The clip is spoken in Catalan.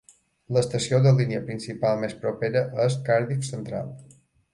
L'estació de línia principal més propera és Cardiff Central.